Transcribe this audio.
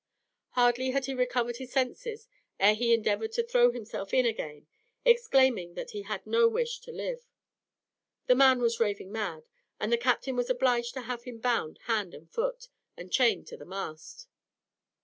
Hardly had he recovered his senses ere he endeavoured to throw himself in again, exclaiming that he had no wish to live. The man was raving mad, and the captain was obliged to have him bound hand and foot, and chained to the mast.